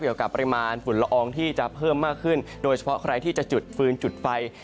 เกี่ยวกับปริมาณฝุ่นละอองที่จะเพิ่มมากขึ้นโดยเฉพาะใครที่จะจุดฟืนจุดไฟ